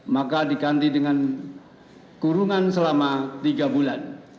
maka diganti dengan kurungan selama tiga bulan